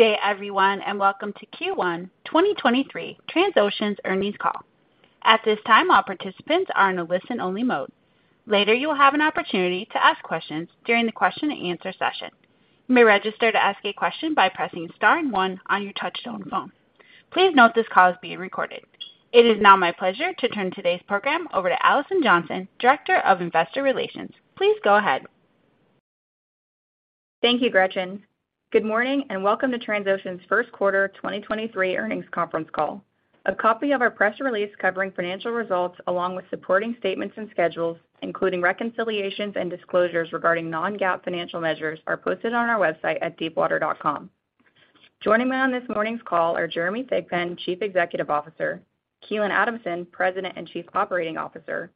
Good day, everyone. Welcome to Q1 2023 Transocean's Earnings Call. At this time, all participants are in a listen-only mode. Later, you will have an opportunity to ask questions during the question and answer session. You may register to ask a question by pressing star and one on your touch-tone phone. Please note this call is being recorded. It is now my pleasure to turn today's program over to Alison Johnson, Director of Investor Relations. Please go ahead. Thank you, Gretchen. Good morning and welcome to Transocean's first quarter 2023 earnings conference call. A copy of our press release covering financial results along with supporting statements and schedules, including reconciliations and disclosures regarding non-GAAP financial measures, are posted on our website at deepwater.com. Joining me on this morning's call are Jeremy Thigpen, Chief Executive Officer; Keelan Adamson, President and Chief Operating Officer;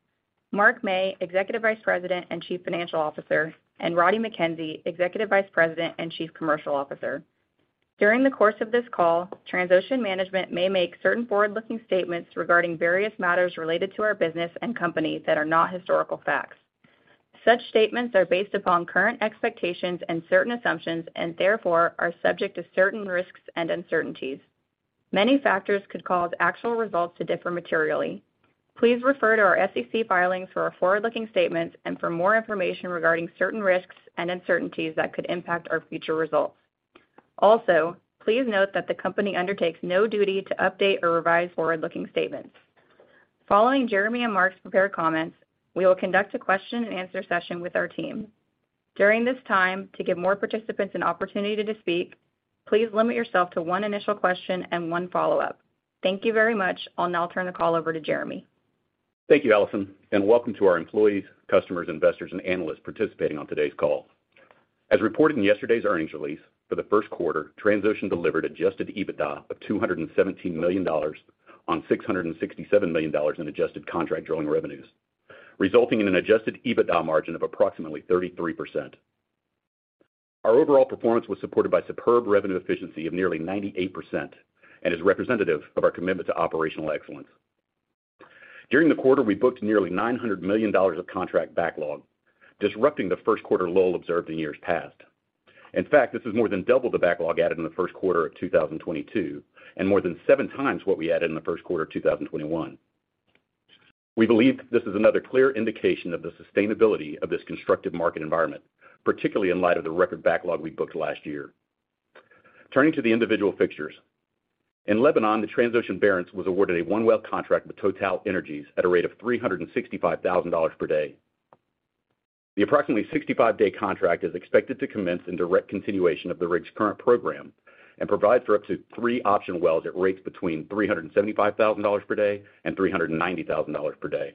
Mark Mey, Executive Vice President and Chief Financial Officer; and Roddie Mackenzie, Executive Vice President and Chief Commercial Officer. During the course of this call, Transocean management may make certain forward-looking statements regarding various matters related to our business and company that are not historical facts. Such statements are based upon current expectations and certain assumptions and therefore are subject to certain risks and uncertainties. Many factors could cause actual results to differ materially. Please refer to our SEC filings for our forward-looking statements and for more information regarding certain risks and uncertainties that could impact our future results. Also, please note that the company undertakes no duty to update or revise forward-looking statements. Following Jeremy and Mark's prepared comments, we will conduct a question-and-answer session with our team. During this time, to give more participants an opportunity to speak, please limit yourself to one initial question and one follow-up. Thank you very much. I'll now turn the call over to Jeremy. Thank you, Alison, welcome to our employees, customers, investors, and analysts participating on today's call. As reported in yesterday's earnings release, for the first quarter, Transocean delivered adjusted EBITDA of $217 million on $667 million in adjusted contract drilling revenues, resulting in an adjusted EBITDA margin of approximately 33%. Our overall performance was supported by superb revenue efficiency of nearly 98% and is representative of our commitment to operational excellence. During the quarter, we booked nearly $900 million of contract backlog, disrupting the first quarter lull observed in years past. In fact, this is more than double the backlog added in the first quarter of 2022 and more than 7 times what we added in the first quarter of 2021. We believe this is another clear indication of the sustainability of this constructive market environment, particularly in light of the record backlog we booked last year. Turning to the individual fixtures. In Lebanon, the Transocean Barents was awarded a one-well contract with TotalEnergies at a rate of $365,000 per day. The approximately 65-day contract is expected to commence in direct continuation of the rig's current program and provides for up to three option wells at rates between $375,000 per day and $390,000 per day.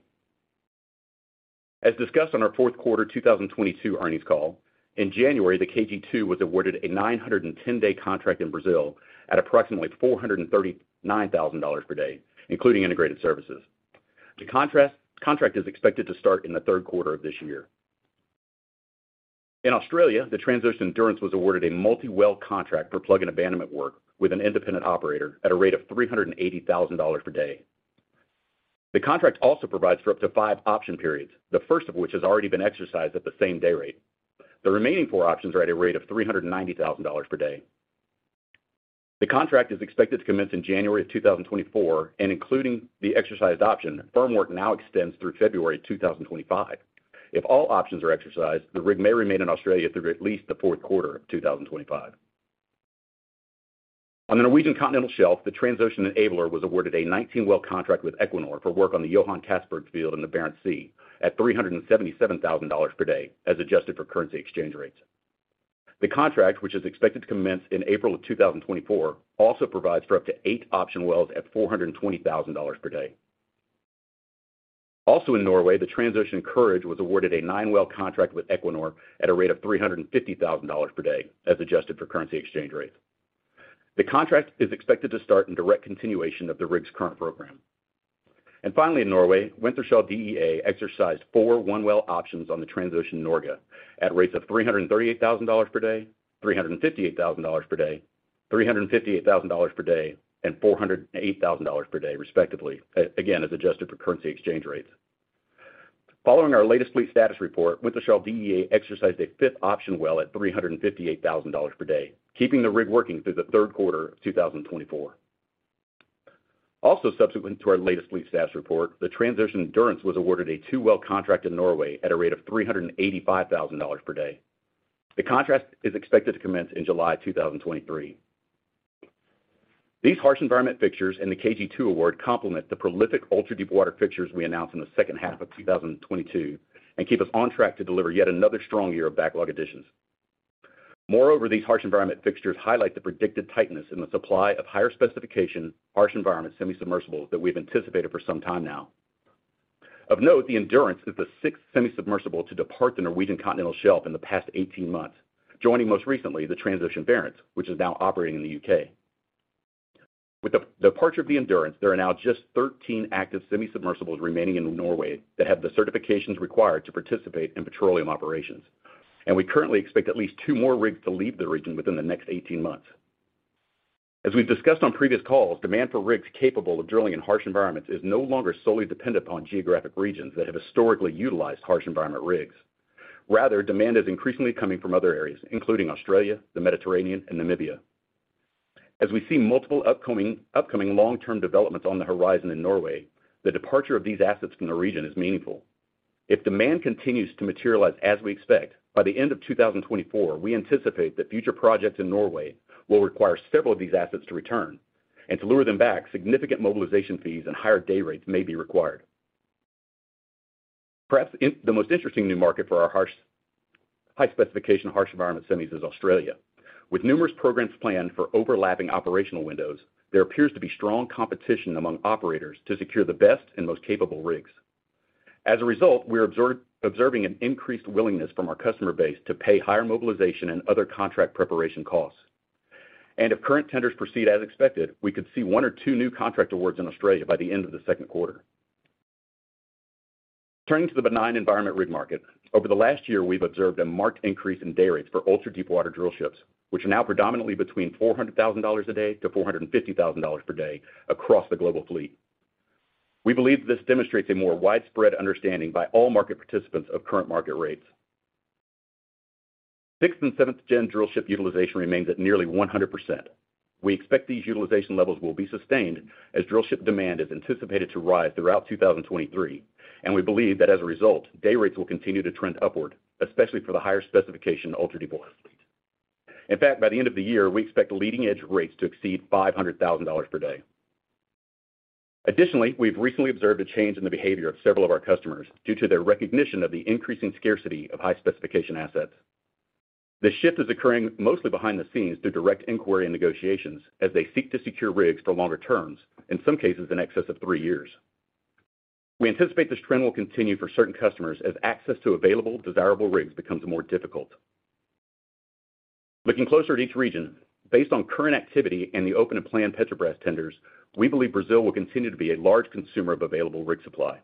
As discussed on our fourth quarter 2022 earnings call, in January, the KG2 was awarded a 910-day contract in Brazil at approximately $439,000 per day, including integrated services. To contrast, contract is expected to start in the third quarter of this year. In Australia, the Transocean Endurance was awarded a multi-well contract for plug and abandonment work with an independent operator at a rate of $380,000 per day. The contract also provides for up to five option periods, the first of which has already been exercised at the same day rate. The remaining four options are at a rate of $390,000 per day. The contract is expected to commence in January 2024, and including the exercised option, firm work now extends through February 2025. If all options are exercised, the rig may remain in Australia through at least the fourth quarter of 2025. On the Norwegian continental shelf, the Transocean Enabler was awarded a 19-well contract with Equinor for work on the Johan Castberg field in the Barents Sea at $377,000 per day as adjusted for currency exchange rates. The contract, which is expected to commence in April of 2024, also provides for up to eight option wells at $420,000 per day. Also in Norway, the Transocean Encourage was awarded a nine-well contract with Equinor at a rate of $350,000 per day as adjusted for currency exchange rates. The contract is expected to start in direct continuation of the rig's current program. Finally, in Norway, Wintershall Dea exercised 4 1-well options on the Transocean Norge at rates of $338,000 per day, $358,000 per day, $358,000 per day, and $408,000 per day, respectively, again, as adjusted for currency exchange rates. Following our latest fleet status report, Wintershall Dea exercised a 5th option well at $358,000 per day, keeping the rig working through the 3rd quarter of 2024. Subsequent to our latest fleet status report, the Transocean Endurance was awarded a 2-well contract in Norway at a rate of $385,000 per day. The contract is expected to commence in July 2023. These harsh environment fixtures in the KG2 award complement the prolific ultra-deepwater fixtures we announced in the second half of 2022 and keep us on track to deliver yet another strong year of backlog additions. Moreover, these harsh environment fixtures highlight the predicted tightness in the supply of higher specification harsh environment semi-submersibles that we've anticipated for some time now. Of note, the Endurance is the sixth semi-submersible to depart the Norwegian continental shelf in the past 18 months, joining most recently the Transocean Barents, which is now operating in the U.K. With the departure of the Endurance, there are now just 13 active semi-submersibles remaining in Norway that have the certifications required to participate in petroleum operations. We currently expect at least two more rigs to leave the region within the next 18 months. As we've discussed on previous calls, demand for rigs capable of drilling in harsh environments is no longer solely dependent upon geographic regions that have historically utilized harsh environment rigs. Rather, demand is increasingly coming from other areas, including Australia, the Mediterranean, and Namibia. As we see multiple upcoming long-term developments on the horizon in Norway, the departure of these assets from the region is meaningful. If demand continues to materialize as we expect, by the end of 2024, we anticipate that future projects in Norway will require several of these assets to return. To lure them back, significant mobilization fees and higher day rates may be required. Perhaps the most interesting new market for our high-specification, harsh environment semis is Australia. With numerous programs planned for overlapping operational windows, there appears to be strong competition among operators to secure the best and most capable rigs. As a result, we are observing an increased willingness from our customer base to pay higher mobilization and other contract preparation costs. If current tenders proceed as expected, we could see 1 or 2 new contract awards in Australia by the end of the second quarter. Turning to the benign environment rig market, over the last year, we've observed a marked increase in day rates for ultra-deepwater drillships, which are now predominantly between $400,000 a day-$450,000 per day across the global fleet. We believe this demonstrates a more widespread understanding by all market participants of current market rates. Sixth and seventh gen drillship utilization remains at nearly 100%. We expect these utilization levels will be sustained as drillship demand is anticipated to rise throughout 2023. We believe that as a result, day rates will continue to trend upward, especially for the higher specification ultra-deepwater fleet. In fact, by the end of the year, we expect leading-edge rates to exceed $500,000 per day. Additionally, we've recently observed a change in the behavior of several of our customers due to their recognition of the increasing scarcity of high-specification assets. This shift is occurring mostly behind the scenes through direct inquiry and negotiations as they seek to secure rigs for longer terms, in some cases in excess of 3 years. We anticipate this trend will continue for certain customers as access to available desirable rigs becomes more difficult. Looking closer at each region, based on current activity and the open and planned Petrobras tenders, we believe Brazil will continue to be a large consumer of available rig supply.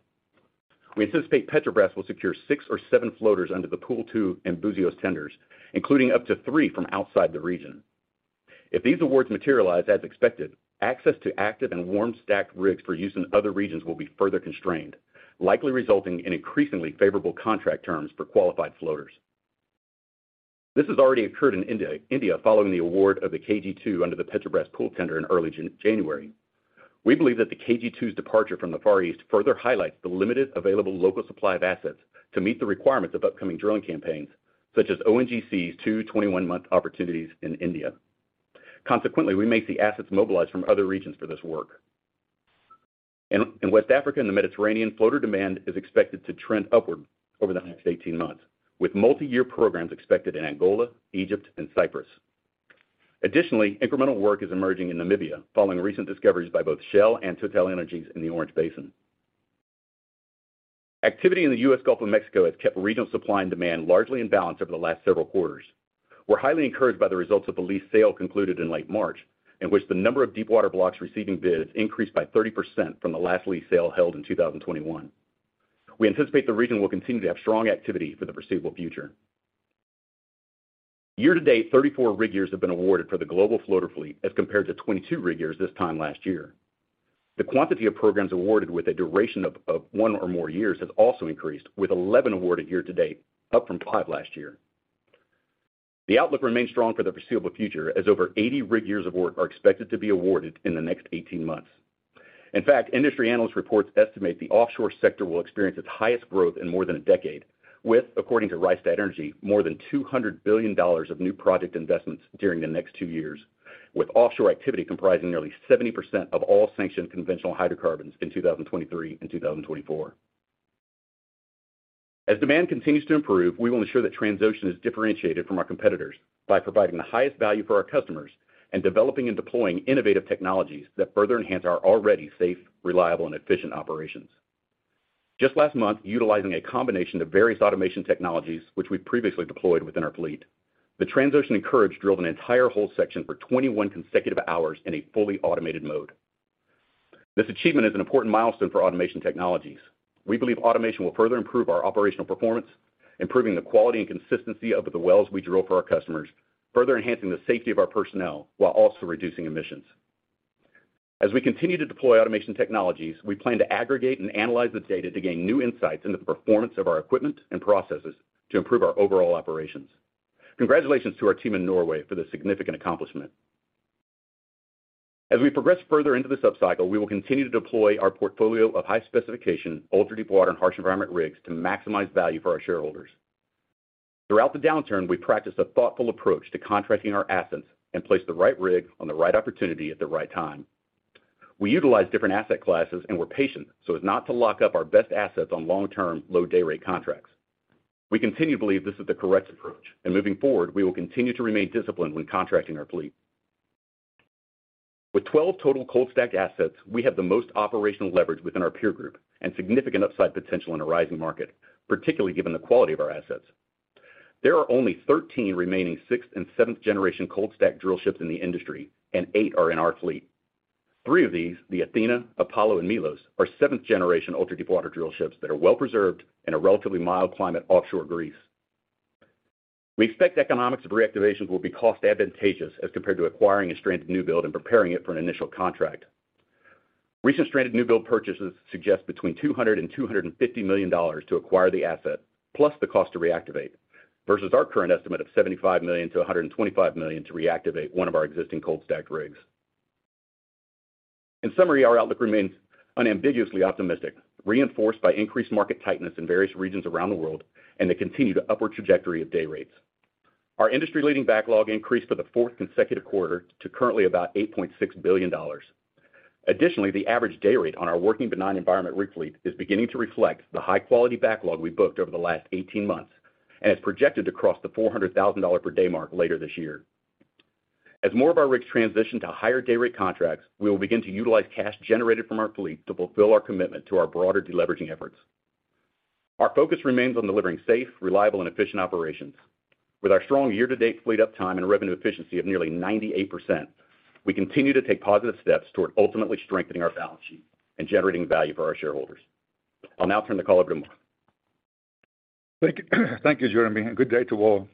We anticipate Petrobras will secure six or seven floaters under the Pool Two and Buzios tenders, including up to three from outside the region. If these awards materialize as expected, access to active and warm stacked rigs for use in other regions will be further constrained, likely resulting in increasingly favorable contract terms for qualified floaters. This has already occurred in India following the award of the KG 2 under the Petrobras Pool tender in early January. We believe that the KG 2's departure from the Far East further highlights the limited available local supply of assets to meet the requirements of upcoming drilling campaigns, such as ONGC's two 21-month opportunities in India. Consequently, we may see assets mobilized from other regions for this work. In West Africa and the Mediterranean, floater demand is expected to trend upward over the next 18 months, with multiyear programs expected in Angola, Egypt, and Cyprus. Additionally, incremental work is emerging in Namibia following recent discoveries by both Shell and TotalEnergies in the Orange Basin. Activity in the U.S. Gulf of Mexico has kept regional supply and demand largely in balance over the last several quarters. We're highly encouraged by the results of the lease sale concluded in late March, in which the number of deepwater blocks receiving bids increased by 30% from the last lease sale held in 2021. We anticipate the region will continue to have strong activity for the foreseeable future. Year to date, 34 rig years have been awarded for the global floater fleet as compared to 22 rig years this time last year. The quantity of programs awarded with a duration of one or more years has also increased, with 11 awarded year to date, up from 5 last year. The outlook remains strong for the foreseeable future as over 80 rig years award are expected to be awarded in the next 18 months. Industry analyst reports estimate the offshore sector will experience its highest growth in more than a decade with, according to Rystad Energy, more than $200 billion of new project investments during the next 2 years, with offshore activity comprising nearly 70% of all sanctioned conventional hydrocarbons in 2023 and 2024. As demand continues to improve, we will ensure that Transocean is differentiated from our competitors by providing the highest value for our customers and developing and deploying innovative technologies that further enhance our already safe, reliable, and efficient operations. Just last month, utilizing a combination of various automation technologies which we've previously deployed within our fleet, the Transocean Courage drilled an entire whole section for 21 consecutive hours in a fully automated mode. This achievement is an important milestone for automation technologies. We believe automation will further improve our operational performance, improving the quality and consistency of the wells we drill for our customers, further enhancing the safety of our personnel while also reducing emissions. As we continue to deploy automation technologies, we plan to aggregate and analyze the data to gain new insights into the performance of our equipment and processes to improve our overall operations. Congratulations to our team in Norway for this significant accomplishment. As we progress further into the sub-cycle, we will continue to deploy our portfolio of high-specification, ultra-deepwater, and harsh environment rigs to maximize value for our shareholders. Throughout the downturn, we practiced a thoughtful approach to contracting our assets and placed the right rig on the right opportunity at the right time. We utilized different asset classes and were patient so as not to lock up our best assets on long-term, low day rate contracts. We continue to believe this is the correct approach, and moving forward, we will continue to remain disciplined when contracting our fleet. With 12 total cold stacked assets, we have the most operational leverage within our peer group and significant upside potential in a rising market, particularly given the quality of our assets. There are only 13 remaining sixth and seventh generation cold stacked drillships in the industry. Eight are in our fleet. 3 of these, the Athena, Apollo, and Mylos, are seventh generation ultra-deepwater drillships that are well-preserved in a relatively mild climate offshore Greece. We expect economics of reactivations will be cost advantageous as compared to acquiring a stranded new build and preparing it for an initial contract. Recent stranded new build purchases suggest between $200 million-$250 million to acquire the asset plus the cost to reactivate, versus our current estimate of $75 million-$125 million to reactivate one of our existing cold stacked rigs. In summary, our outlook remains unambiguously optimistic, reinforced by increased market tightness in various regions around the world and the continued upward trajectory of day rates. Our industry-leading backlog increased for the fourth consecutive quarter to currently about $8.6 billion. The average day rate on our working benign environment rig fleet is beginning to reflect the high-quality backlog we booked over the last 18 months and is projected to cross the $400,000 per day mark later this year. More of our rigs transition to higher day rate contracts, we will begin to utilize cash generated from our fleet to fulfill our commitment to our broader deleveraging efforts. Our focus remains on delivering safe, reliable and efficient operations. With our strong year-to-date fleet uptime and revenue efficiency of nearly 98%, we continue to take positive steps toward ultimately strengthening our balance sheet and generating value for our shareholders. I'll now turn the call over to Mark. Thank you, Jeremy, and good day to all.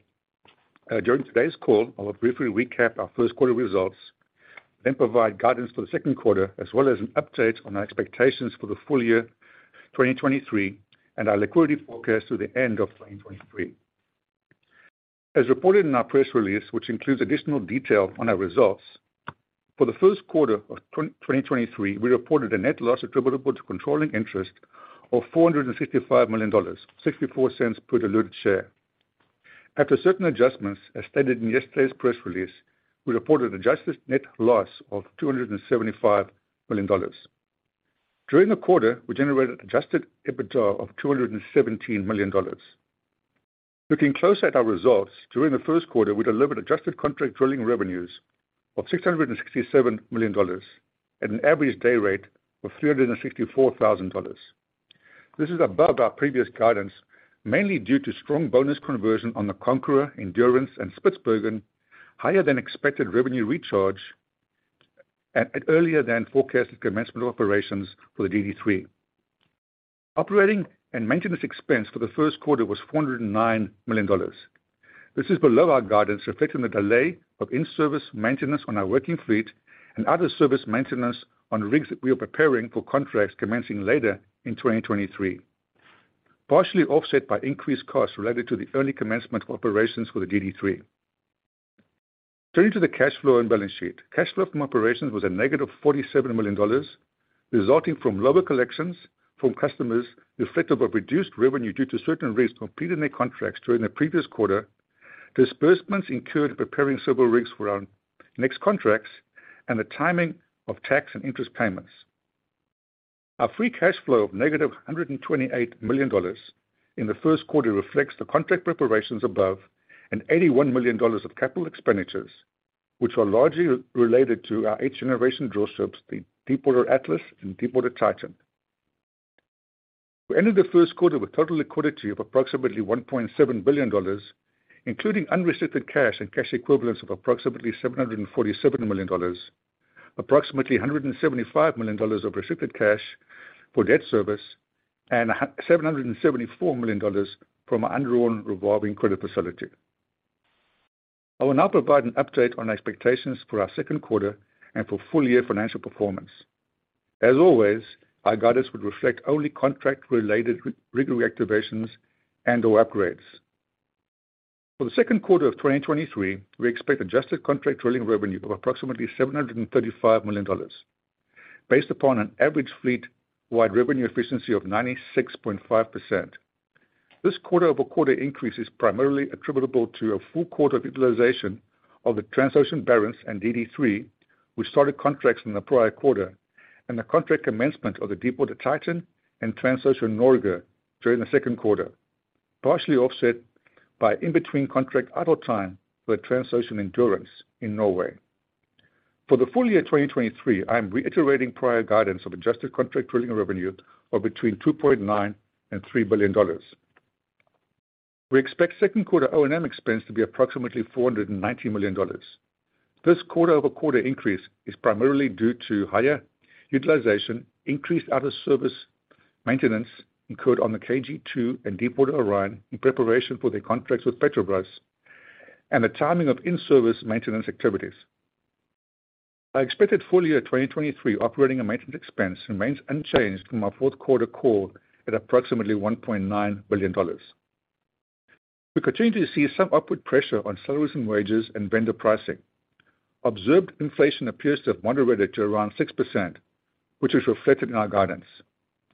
During today's call, I will briefly recap our first quarter results, then provide guidance for the second quarter as well as an update on our expectations for the full year 2023, and our liquidity forecast through the end of 2023. As reported in our press release, which includes additional detail on our results, for the first quarter of 2023, we reported a net loss attributable to controlling interest of $465 million, $0.64 per diluted share. After certain adjustments, as stated in yesterday's press release, we reported adjusted net loss of $275 million. During the quarter, we generated adjusted EBITDA of $217 million. Looking closer at our results, during the first quarter, we delivered adjusted contract drilling revenues of $667 million at an average day rate of $364,000. This is above our previous guidance, mainly due to strong bonus conversion on the Conqueror, Endurance and Spitsbergen, higher than expected revenue recharge at earlier than forecasted commencement of operations for the DD3. Operating and maintenance expense for the first quarter was $409 million. This is below our guidance, reflecting the delay of in-service maintenance on our working fleet and other service maintenance on rigs that we are preparing for contracts commencing later in 2023, partially offset by increased costs related to the early commencement of operations for the DD3. Turning to the cash flow and balance sheet. Cash flow from operations was a negative $47 million, resulting from lower collections from customers reflective of reduced revenue due to certain rigs completing their contracts during the previous quarter, disbursements incurred preparing several rigs for our next contracts, and the timing of tax and interest payments. Our free cash flow of negative $128 million in the first quarter reflects the contract preparations above and $81 million of capital expenditures, which are largely related to our eighth-generation drillships, the Deepwater Atlas and Deepwater Titan. We ended the first quarter with total liquidity of approximately $1.7 billion, including unrestricted cash and cash equivalents of approximately $747 million, approximately $175 million of restricted cash for debt service, and $774 million from our undrawn revolving credit facility. I will now provide an update on expectations for our second quarter and for full-year financial performance. As always, our guidance would reflect only contract-related rig reactivations and/or upgrades. For the second quarter of 2023, we expect adjusted contract drilling revenue of approximately $735 million based upon an average fleet-wide revenue efficiency of 96.5%. This quarter-over-quarter increase is primarily attributable to a full quarter of utilization of the Transocean Barents and DD3, which started contracts in the prior quarter, and the contract commencement of the Deepwater Titan and Transocean Norge during the second quarter, partially offset by in-between contract idle time for Transocean Endurance in Norway. For the full-year 2023, I am reiterating prior guidance of adjusted contract drilling revenue of between $2.9 billion and $3 billion. We expect second quarter O&M expense to be approximately $490 million. This quarter-over-quarter increase is primarily due to higher utilization, increased out of service maintenance incurred on the KG2 and Deepwater Orion in preparation for their contracts with Petrobras and the timing of in-service maintenance activities. Our expected full year 2023 operating and maintenance expense remains unchanged from our fourth quarter call at approximately $1.9 billion. We continue to see some upward pressure on salaries and wages and vendor pricing. Observed inflation appears to have moderated to around 6%, which is reflected in our guidance.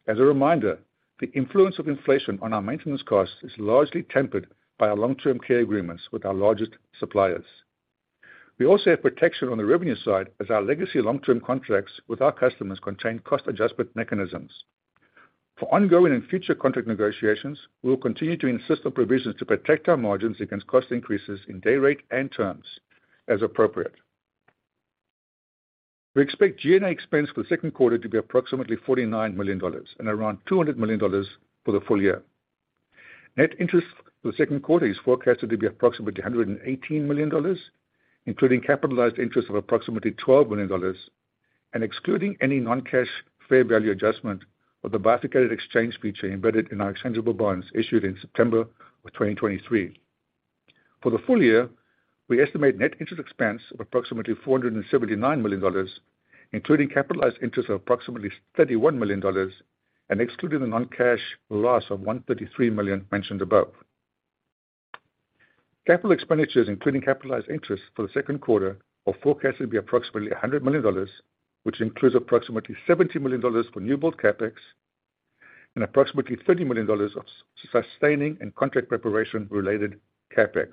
As a reminder, the influence of inflation on our maintenance costs is largely tempered by our long-term care agreements with our largest suppliers. We also have protection on the revenue side as our legacy long-term contracts with our customers contain cost adjustment mechanisms. For ongoing and future contract negotiations, we will continue to insist on provisions to protect our margins against cost increases in day rate and terms as appropriate. We expect G&A expense for the second quarter to be approximately $49 million and around $200 million for the full year. Net interest for the second quarter is forecasted to be approximately $118 million, including capitalized interest of approximately $12 million. Excluding any non-cash fair value adjustment or the bifurcated exchange feature embedded in our exchangeable bonds issued in September of 2023. For the full year, we estimate net interest expense of approximately $479 million, including capitalized interest of approximately $31 million and excluding the non-cash loss of $133 million mentioned above. Capital expenditures, including capitalized interest for the second quarter, are forecasted to be approximately $100 million, which includes approximately $70 million for newbuild CapEx and approximately $30 million of sustaining and contract preparation related CapEx.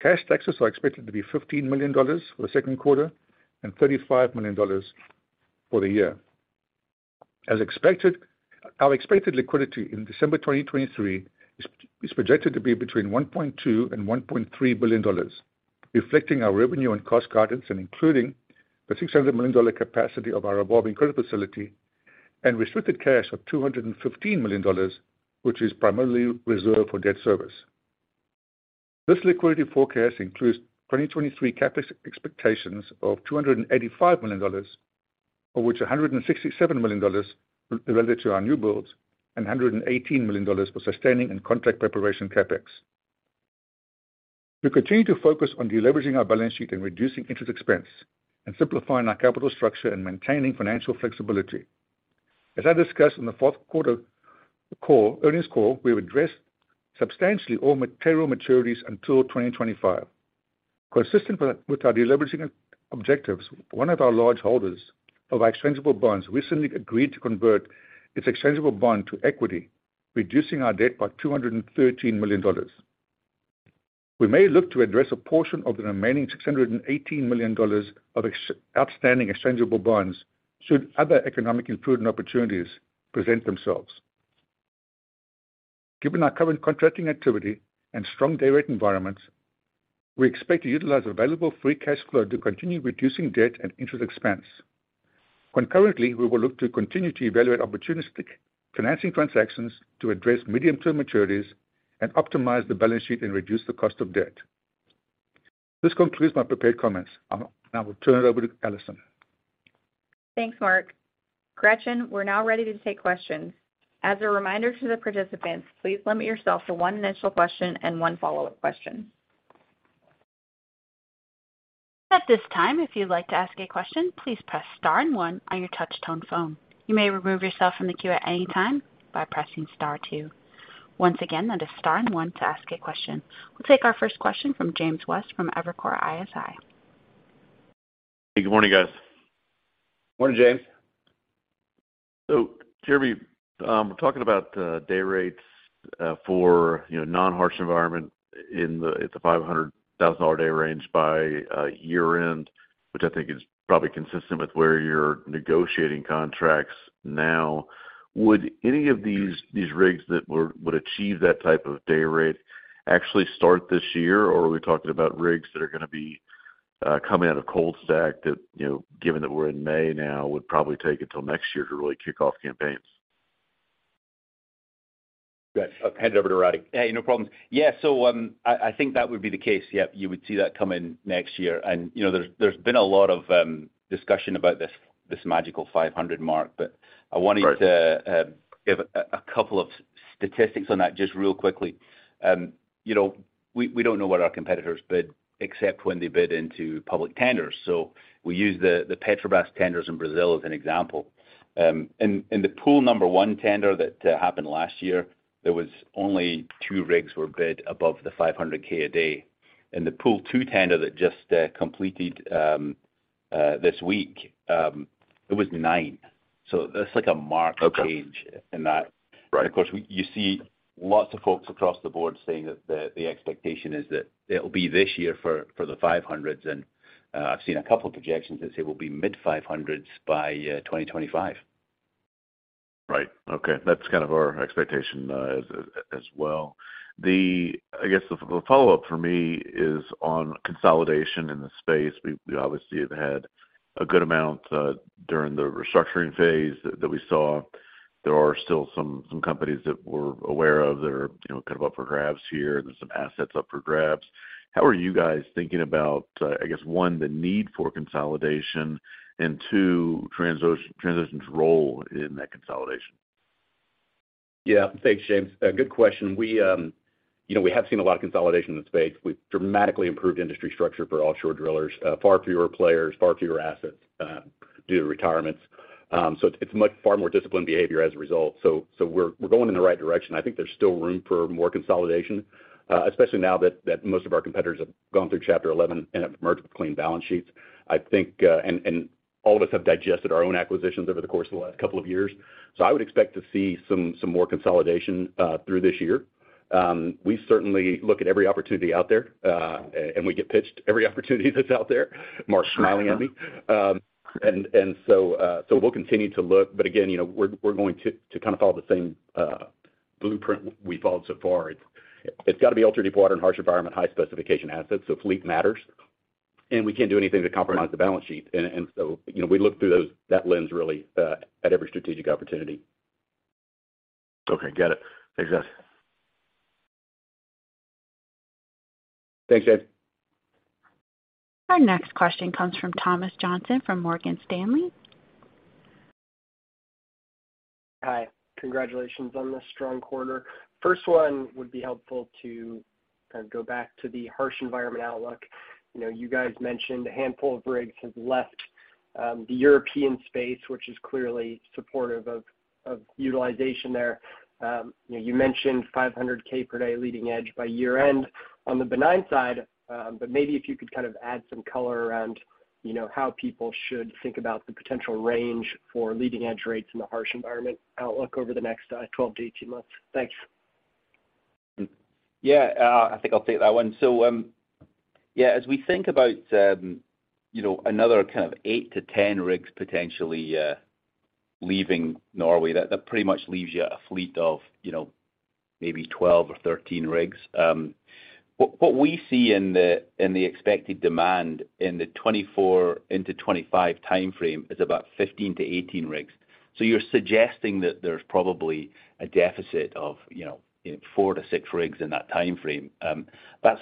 Cash taxes are expected to be $15 million for the second quarter and $35 million for the year. As expected, our expected liquidity in December 2023 is projected to be between $1.2 billion and $1.3 billion, reflecting our revenue and cost guidance and including the $600 million capacity of our revolving credit facility and restricted cash of $215 million, which is primarily reserved for debt service. This liquidity forecast includes 2023 CapEx expectations of $285 million, of which $167 million related to our new builds and $118 million for sustaining and contract preparation CapEx. We continue to focus on deleveraging our balance sheet and reducing interest expense and simplifying our capital structure and maintaining financial flexibility. As I discussed in the fourth quarter call, earnings call, we've addressed substantially all material maturities until 2025. Consistent with our deleveraging objectives, one of our large holders of our exchangeable bonds recently agreed to convert its exchangeable bond to equity, reducing our debt by $213 million. We may look to address a portion of the remaining $618 million of ex-outstanding exchangeable bonds should other economic improvement opportunities present themselves. Given our current contracting activity and strong day rate environment, we expect to utilize available free cash flow to continue reducing debt and interest expense. Concurrently, we will look to continue to evaluate opportunistic financing transactions to address medium-term maturities and optimize the balance sheet and reduce the cost of debt. This concludes my prepared comments. I'll now turn it over to Alison. Thanks, Mark. Gretchen, we're now ready to take questions. As a reminder to the participants, please limit yourself to one initial question and one follow-up question. At this time, if you'd like to ask a question, please press star and one on your touch tone phone. You may remove yourself from the queue at any time by pressing star two. Once again, that is star and one to ask a question. We'll take our first question from James West, from Evercore ISI. Hey, good morning, guys. Morning, James. Jeremy, talking about day rates for, you know, non-harsh environment in the, at the $500,000 day range by year end, which I think is probably consistent with where you're negotiating contracts now. Would any of these rigs that would achieve that type of day rate actually start this year, or are we talking about rigs that are gonna be coming out of cold stack that, you know, given that we're in May now, would probably take until next year to really kick off campaigns? Right. I'll hand it over to Roddie. Hey, no problems. Yeah. I think that would be the case. Yeah. You would see that come in next year. You know, there's been a lot of discussion about this magical 500 mark. Right. give a couple of statistics on that just real quickly. You know, we don't know what our competitors bid except when they bid into public tenders. We use the Petrobras tenders in Brazil as an example. In the Pool 1 tender that happened last year, there was only two rigs were bid above the $500K a day. In the Pool Two tender that just completed this week, it was nine, so that's like a mark- Okay. change in that. Right. Of course, we, you see lots of folks across the board saying that the expectation is that it'll be this year for the $500s, and I've seen a couple projections that say it will be mid-$500s by 2025. Right. Okay. That's kind of our expectation, as well. I guess the follow-up for me is on consolidation in the space. We obviously have had a good amount during the restructuring phase that we saw. There are still some companies that we're aware of that are, you know, kind of up for grabs here, and there's some assets up for grabs. How are you guys thinking about, I guess, 1, the need for consolidation, and 2, Transocean's role in that consolidation? Yeah. Thanks, James. A good question. We, you know, we have seen a lot of consolidation in the space. We've dramatically improved industry structure for offshore drillers, far fewer players, far fewer assets, due to retirements. It's much far more disciplined behavior as a result. We're going in the right direction. I think there's still room for more consolidation, especially now that most of our competitors have gone through Chapter 11 and have emerged with clean balance sheets. I think all of us have digested our own acquisitions over the course of the last couple of years. I would expect to see some more consolidation through this year. We certainly look at every opportunity out there, and we get pitched every opportunity that's out there. Mark's smiling at me. We'll continue to look, but again, you know, we're going to kind of follow the same blueprint we've followed so far. It's gotta be ultra-deepwater and harsh environment, high specification assets, so fleet matters, and we can't do anything to compromise the balance sheet. You know, we look through those, that lens really, at every strategic opportunity. Okay. Got it. Thanks, guys. Thanks, J. Our next question comes from Thomas Johnson from Morgan Stanley. Hi, congratulations on the strong quarter. First one would be helpful to kind of go back to the harsh environment outlook. You know, you guys mentioned a handful of rigs have left the European space, which is clearly supportive of utilization there. You know, you mentioned $500K per day leading edge by year-end on the benign side. Maybe if you could kind of add some color around, you know, how people should think about the potential range for leading edge rates in the harsh environment outlook over the next 12 to 18 months. Thanks. Yeah. I think I'll take that one. Yeah. As we think about, you know, another kind of 8-10 rigs potentially, leaving Norway, that pretty much leaves you at a fleet of, you know, maybe 12 or 13 rigs. What, what we see in the, in the expected demand in the 2024 into 2025 timeframe is about 15-18 rigs. You're suggesting that there's probably a deficit of, you know, 4-6 rigs in that timeframe. That's,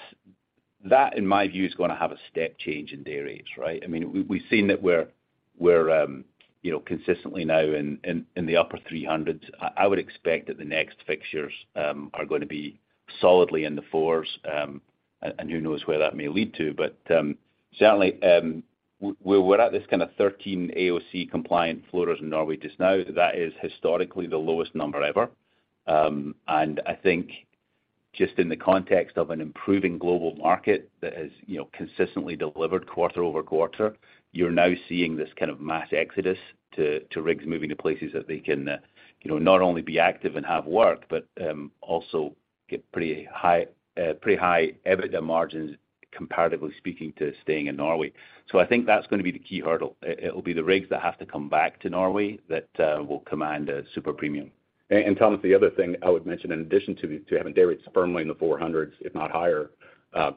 that in my view, is gonna have a step change in dayrates, right? I mean, we've seen that we're, you know, consistently now in, in the upper 300s. I would expect that the next fixtures, are gonna be solidly in the 400s, and who knows where that may lead to. Certainly, we're at this kind of 13 AOC compliant floaters in Norway just now. That is historically the lowest number ever. I think just in the context of an improving global market that has, you know, consistently delivered quarter-over-quarter, you're now seeing this kind of mass exodus to rigs moving to places that they can, you know, not only be active and have work, but also get pretty high, pretty high EBITDA margins comparatively speaking, to staying in Norway. I think that's gonna be the key hurdle. It'll be the rigs that have to come back to Norway that will command a super premium. Thomas, the other thing I would mention in addition to having dayrates firmly in the $400s, if not higher,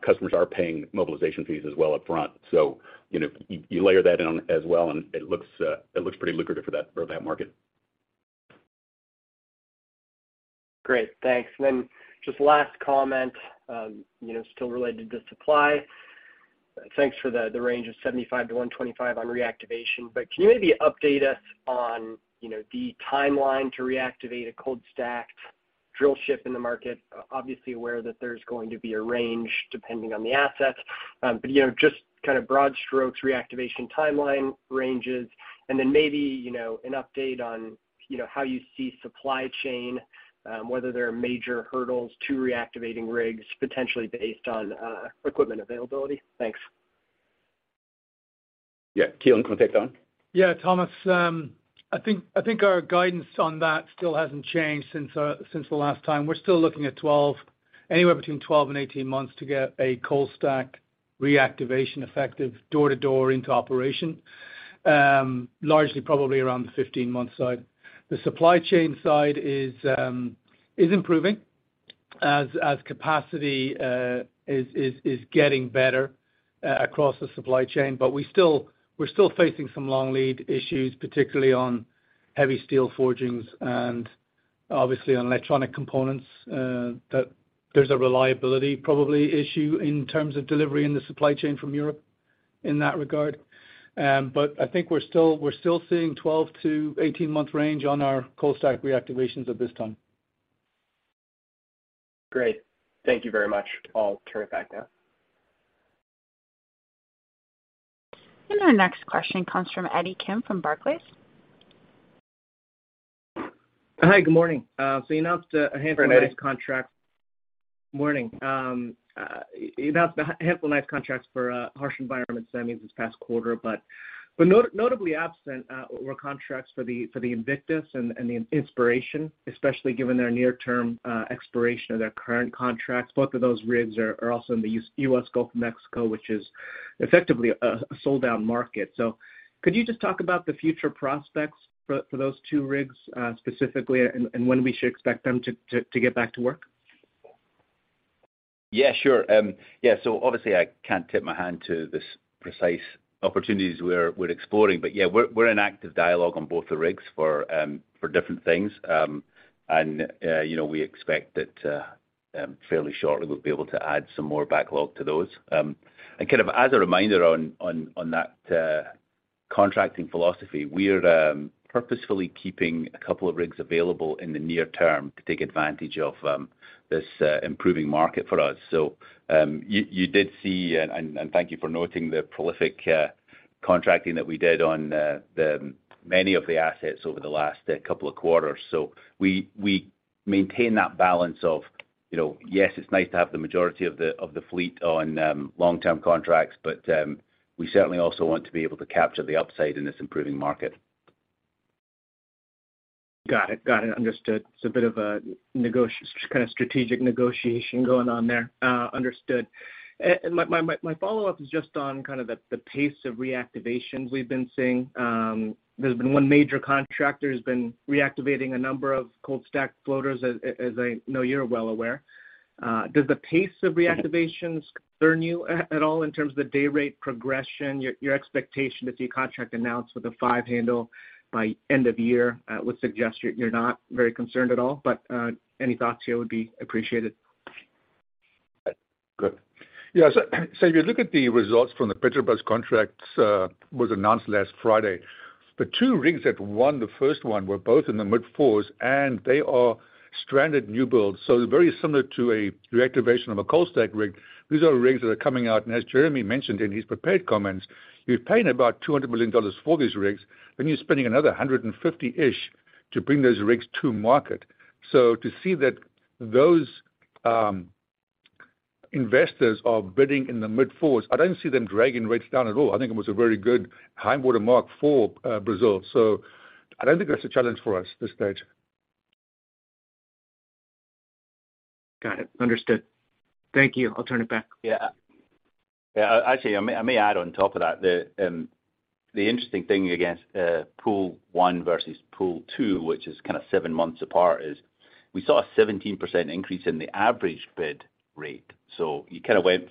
customers are paying mobilization fees as well up front. You know, you layer that in as well, and it looks pretty lucrative for that market. Great. Thanks. Just last comment, you know, still related to supply. Thanks for the range of $75-$125 on reactivation. Can you maybe update us on, you know, the timeline to reactivate a cold stacked drillship in the market? Obviously aware that there's going to be a range depending on the assets. You know, just kind of broad strokes reactivation timeline ranges. Maybe, you know, an update on, you know, how you see supply chain, whether there are major hurdles to reactivating rigs potentially based on equipment availability. Thanks. Yeah. Keelan, you wanna take that one? Yeah, Thomas. I think our guidance on that still hasn't changed since the last time. We're still looking at anywhere between 12 and 18 months to get a cold stack reactivation effective door to door into operation, largely probably around the 15-month side. The supply chain side is improving as capacity is getting better across the supply chain. We're still facing some long lead issues, particularly on heavy steel forgings and obviously on electronic components, that there's a reliability probably issue in terms of delivery in the supply chain from Europe in that regard. I think we're still seeing 12 to 18-month range on our cold stack reactivations at this time. Great. Thank you very much. I'll turn it back now. Our next question comes from Eddie Kim from Barclays. Hi. Good morning. You announced a handful- Good morning, Eddie. -of nice contracts. Morning. You announced a handful of nice contracts for harsh environments, that means this past quarter. Notably absent, were contracts for the Invictus and the Inspiration, especially given their near term expiration of their current contracts. Both of those rigs are also in the US Gulf of Mexico, which is effectively a sold out market. Could you just talk about the future prospects for those two rigs specifically, and when we should expect them to get back to work? Yeah, sure. Yeah, obviously, I can't tip my hand to the precise opportunities we're exploring. Yeah, we're in active dialogue on both the rigs for different things. You know, we expect that fairly shortly we'll be able to add some more backlog to those. Kind of as a reminder on that contracting philosophy, we're purposefully keeping a couple of rigs available in the near term to take advantage of this improving market for us. You did see, and thank you for noting the prolific contracting that we did on the many of the assets over the last couple of quarters. We maintain that balance of, you know, yes, it's nice to have the majority of the fleet on, long-term contracts, but we certainly also want to be able to capture the upside in this improving market. Got it. Got it. Understood. It's a bit of a kinda strategic negotiation going on there. Understood. My follow-up is just on kind of the pace of reactivation we've been seeing. There's been one major contractor who's been reactivating a number of cold stacked floaters as I know you're well aware. Does the pace of reactivations concern you at all in terms of the day rate progression? Your expectation that you contract announced with a five handle by end of year would suggest you're not very concerned at all. Any thoughts here would be appreciated. Good. Yeah, if you look at the results from the Petrobras contracts, was announced last Friday. The two rigs that won the first one were both in the mid-4s, and they are stranded newbuilds, so very similar to a reactivation of a cold stacked rig. These are rigs that are coming out, and as Jeremy mentioned in his prepared comments, you're paying about $200 million for these rigs, then you're spending another $150-ish to bring those rigs to market. To see that those investors are bidding in the mid-4s, I don't see them dragging rates down at all. I think it was a very good high watermark for Brazil. I don't think that's a challenge for us at this stage. Got it. Understood. Thank you. I'll turn it back. Yeah. Yeah. Actually, I may add on top of that the interesting thing against Pool 1 versus Pool Two, which is kinda seven months apart, is we saw a 17% increase in the average bid rate. You kinda went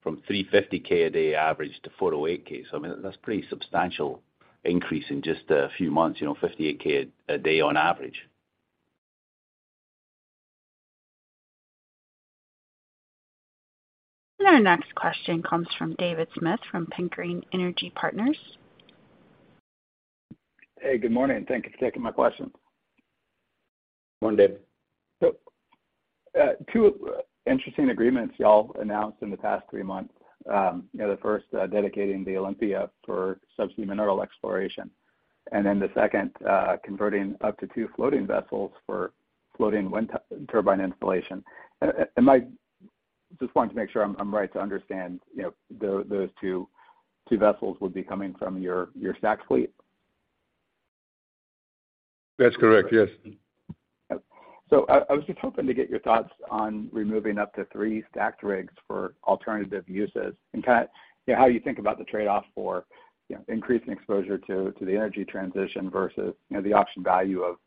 from $350K a day average to $408K. I mean that's pretty substantial increase in just a few months, you know, $58K a day on average. Our next question comes from David Smith from Pickering Energy Partners. Hey, good morning. Thank you for taking my question. Morning, Dave. Two interesting agreements y'all announced in the past three months. You know, the first, dedicating the Olympia for subsea mineral exploration, then the second, converting up to two floating vessels for floating wind turbine installation. I just wanted to make sure I'm right to understand, you know, those two vessels would be coming from your stacked fleet. That's correct, yes. I was just hoping to get your thoughts on removing up to 3 stacked rigs for alternative uses and kind of how you think about the trade-off for, you know, increasing exposure to the energy transition versus, you know, the option value of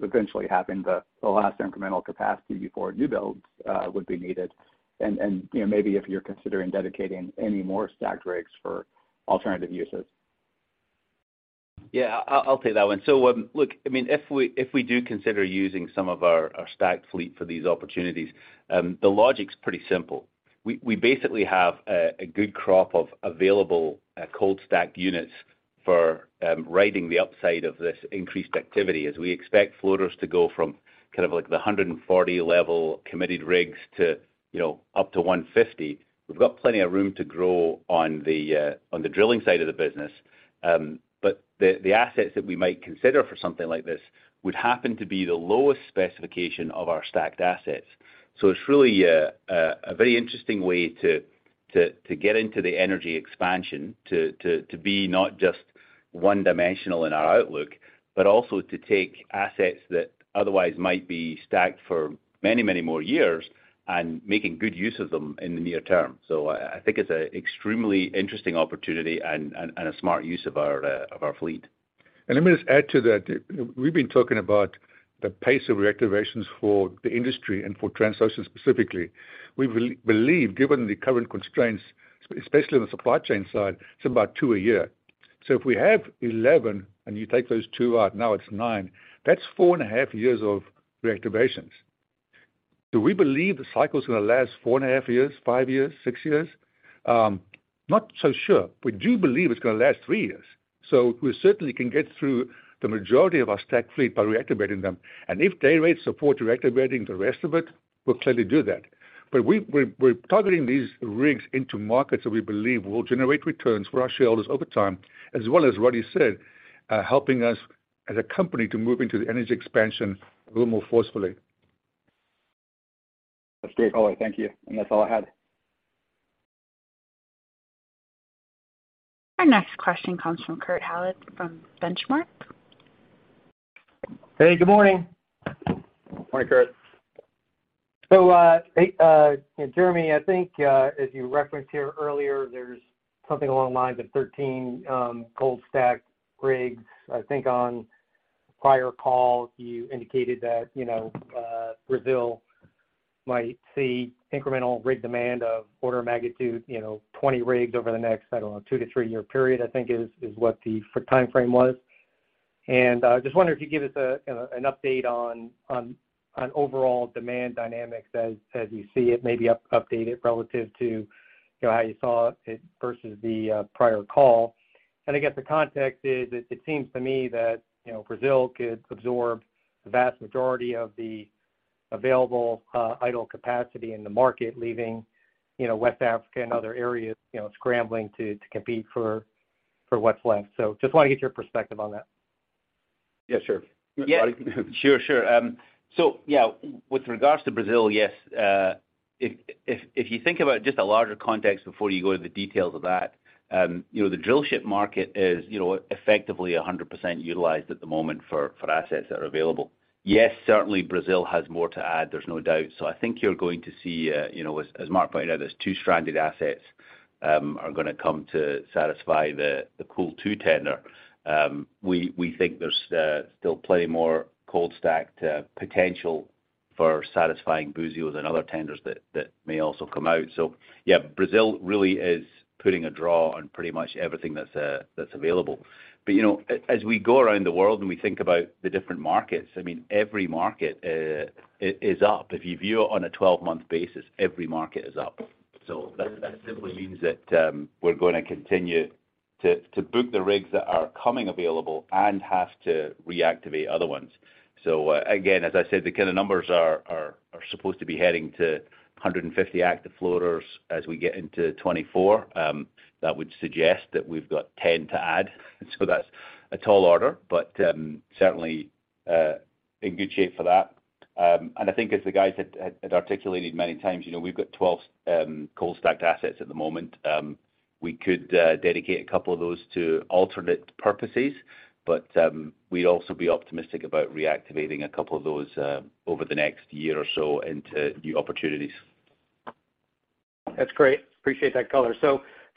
eventually having the last incremental capacity before new builds would be needed. You know, maybe if you're considering dedicating any more stacked rigs for alternative uses. Yeah, I'll take that one. Look, I mean, if we do consider using some of our stacked fleet for these opportunities, the logic's pretty simple. We basically have a good crop of available cold stacked units for riding the upside of this increased activity. As we expect floaters to go from kind of like the 140 level committed rigs to, you know, up to 150, we've got plenty of room to grow on the drilling side of the business. The assets that we might consider for something like this would happen to be the lowest specification of our stacked assets. It's really a very interesting way to get into the energy expansion, to be not just one-dimensional in our outlook, but also to take assets that otherwise might be stacked for many more years and making good use of them in the near term. I think it's a extremely interesting opportunity and a smart use of our fleet. Let me just add to that. We've been talking about the pace of reactivations for the industry and for Transocean specifically. We believe, given the current constraints, especially on the supply chain side, it's about 2 a year. If we have 11 and you take those 2 out, now it's 9. That's 4 and a half years of reactivations. Do we believe the cycle's gonna last 4 and a half years, 5 years, 6 years? Not so sure. We do believe it's gonna last 3 years. We certainly can get through the majority of our stacked fleet by reactivating them. If day rates support reactivating the rest of it, we'll clearly do that. We're targeting these rigs into markets that we believe will generate returns for our shareholders over time, as well as Roddy said, helping us as a company to move into the energy expansion a little more forcefully. That's great. Thank you. That's all I had. Our next question comes from Kurt Hallead from Benchmark. Hey, good morning. Morning, Kurt. Hey, Jeremy, I think as you referenced here earlier, there's something along the lines of 13 cold stacked rigs. I think on a prior call you indicated that, you know, Brazil might see incremental rig demand of order of magnitude, you know, 20 rigs over the next, I don't know, 2-3-year period, I think is what the timeframe was. I just wonder if you could give us an update on overall demand dynamics as you see it, maybe update it relative to, you know, how you saw it versus the prior call. I guess the context is it seems to me that, you know, Brazil could absorb the vast majority of the available idle capacity in the market, leaving, you know, West Africa and other areas, you know, scrambling to compete for what's left. Just wanna get your perspective on that. Yeah, sure. Yeah. Sure, sure. Yeah, with regards to Brazil, yes, if you think about just the larger context before you go to the details of that, you know, the drillship market is, you know, effectively 100% utilized at the moment for assets that are available. Yes, certainly Brazil has more to add, there's no doubt. I think you're going to see, you know, as Mark pointed out, those two stranded assets are gonna come to satisfy the Pool Two tender. We think there's still plenty more cold stacked potential for satisfying Buzios and other tenders that may also come out. Yeah, Brazil really is putting a draw on pretty much everything that's available. You know, as we go around the world and we think about the different markets, I mean, every market is up. If you view it on a 12-month basis, every market is up. That simply means that we're gonna continue to book the rigs that are coming available and have to reactivate other ones. Again, as I said, the kind of numbers are supposed to be heading to 150 active floaters as we get into 2024. That would suggest that we've got 10 to add, so that's a tall order, but certainly in good shape for that. And I think as the guys had articulated many times, you know, we've got 12 cold stacked assets at the moment. We could dedicate a couple of those to alternate purposes, but we'd also be optimistic about reactivating a couple of those over the next year or so into new opportunities. That's great. Appreciate that color.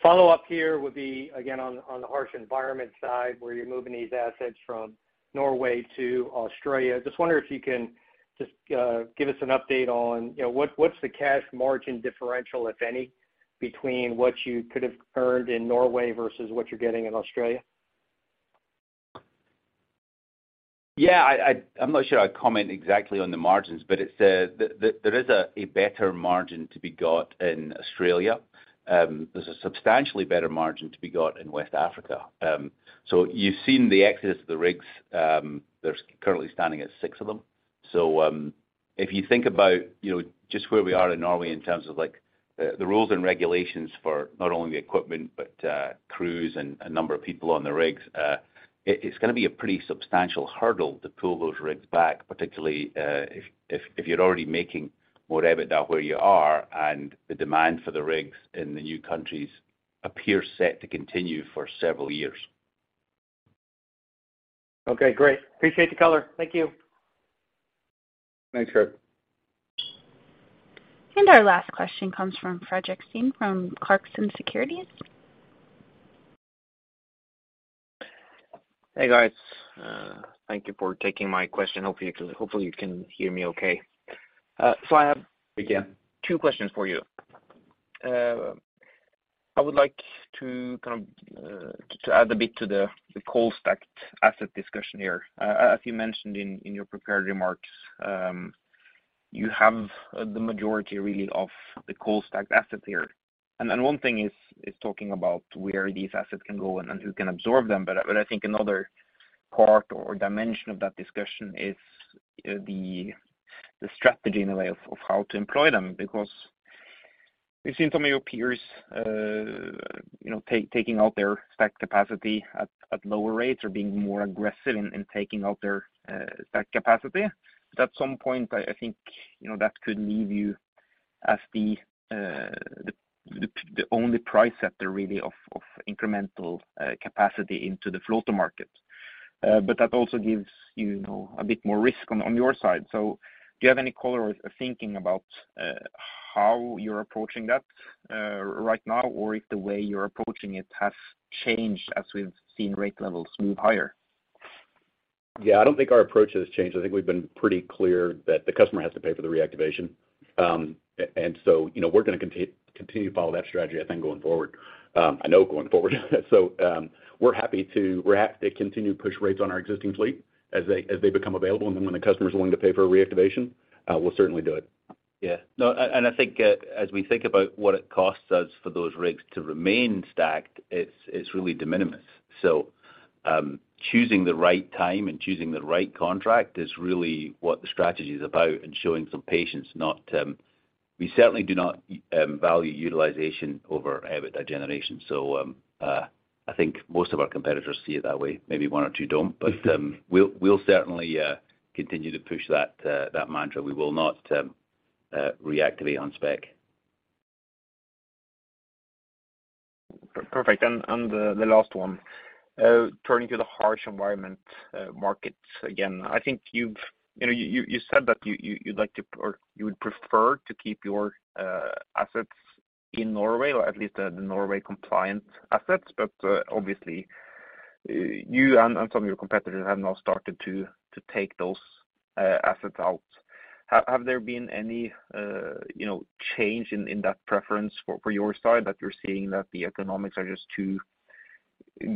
Follow up here would be again on the harsh environment side, where you're moving these assets from Norway to Australia. Just wonder if you can just give us an update on, you know, what's the cash margin differential, if any, between what you could have earned in Norway versus what you're getting in Australia. I'm not sure I'd comment exactly on the margins, but it's, there is a better margin to be got in Australia. There's a substantially better margin to be got in West Africa. You've seen the exodus of the rigs, there's currently standing at 6 of them. If you think about, you know, just where we are in Norway in terms of like, the rules and regulations for not only the equipment, but crews and number of people on the rigs, it's gonna be a pretty substantial hurdle to pull those rigs back, particularly if you're already making more EBITDA where you are and the demand for the rigs in the new countries appear set to continue for several years. Okay, great. Appreciate the color. Thank you. Thanks, Kurt. Our last question comes from Fredrik Stene from Clarksons Securities. Hey, guys. Thank you for taking my question. Hopefully you can hear me okay. We can. 2 questions for you. I would like to kind of add a bit to the cold stacked asset discussion here. As you mentioned in your prepared remarks, you have the majority really of the cold stacked assets here. One thing is talking about where these assets can go and who can absorb them. I think another part or dimension of that discussion is the strategy in a way of how to employ them. We've seen some of your peers, you know, taking out their stacked capacity at lower rates or being more aggressive in taking out their stacked capacity. At some point, I think, you know, that could leave you as the only price setter really of incremental capacity into the floater market. That also gives you know, a bit more risk on your side. Do you have any color or thinking about how you're approaching that right now, or if the way you're approaching it has changed as we've seen rate levels move higher? Yeah. I don't think our approach has changed. I think we've been pretty clear that the customer has to pay for the reactivation. you know, we're gonna continue to follow that strategy, I think going forward. I know going forward. we're happy to continue to push rates on our existing fleet as they become available. when the customer's willing to pay for a reactivation, we'll certainly do it. Yeah. No, and I think, as we think about what it costs us for those rigs to remain stacked, it's really de minimis. Choosing the right time and choosing the right contract is really what the strategy is about, and showing some patience not. We certainly do not value utilization over EBITDA generation. I think most of our competitors see it that way. Maybe one or two don't. We'll certainly continue to push that mantra. We will not reactivate on spec. Perfect. The last one. Turning to the harsh environment markets again. I think you've, you know, you said that you'd like to or you would prefer to keep your assets in Norway or at least the Norway compliant assets. Obviously, you and some of your competitors have now started to take those assets out. Have there been any, you know, change in that preference for your side that you're seeing that the economics are just too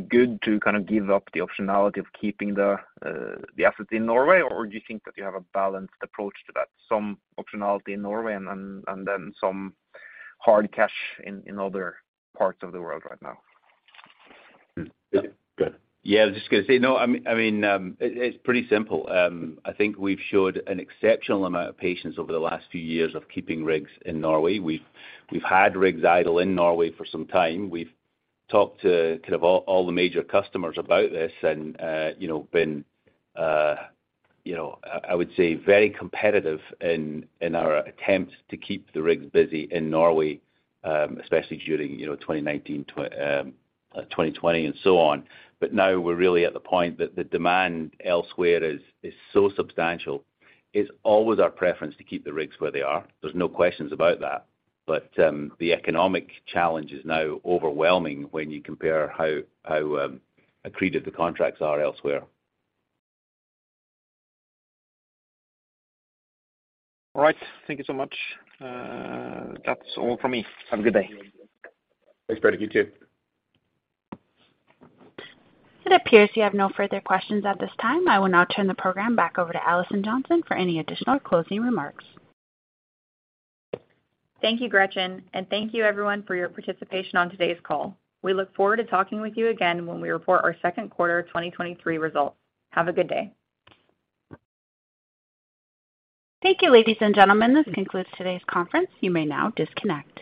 good to kind of give up the optionality of keeping the assets in Norway? Do you think that you have a balanced approach to that, some optionality in Norway and then some hard cash in other parts of the world right now? Go ahead. Yeah, I was just gonna say, no, I mean, it's pretty simple. I think we've showed an exceptional amount of patience over the last few years of keeping rigs in Norway. We've had rigs idle in Norway for some time. We've talked to kind of all the major customers about this and, you know, been, you know, I would say very competitive in our attempts to keep the rigs busy in Norway, especially during, you know, 2019, 2020 and so on. Now we're really at the point that the demand elsewhere is so substantial. It's always our preference to keep the rigs where they are. There's no questions about that. The economic challenge is now overwhelming when you compare how accreted the contracts are elsewhere. All right. Thank you so much. That's all from me. Have a good day. Thanks, Fredrik. You too. It appears you have no further questions at this time. I will now turn the program back over to Alison Johnson for any additional closing remarks. Thank you, Gretchen, and thank you everyone for your participation on today's call. We look forward to talking with you again when we report our second quarter 2023 results. Have a good day. Thank you, ladies and gentlemen. This concludes today's conference. You may now disconnect.